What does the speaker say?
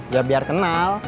ya biar kenal